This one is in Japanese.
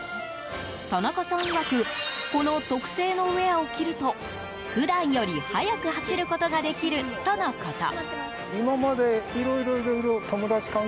田中さんいわくこの特製のウェアを着ると普段より速く走ることができるとのこと。